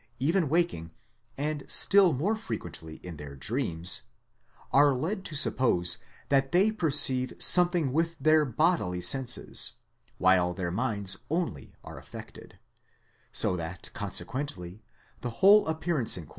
even waking, and still more frequently in their dreams, are led to suppose that they perceive something with their bodily senses, while their minds only are affected : so that consequently, the whole appearance in question should.